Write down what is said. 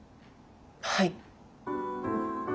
はい。